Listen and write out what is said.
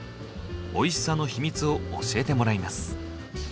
おいしさのヒミツを教えてもらいます。